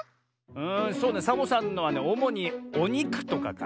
んそうねサボさんのはねおもにおにくとかかなあ。